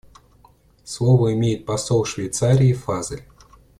Слово имеет посол Швейцарии Фазель.